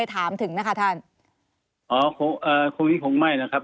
ถามถึงนะคะท่านอ๋อคงเค้าจะไม่นะครับ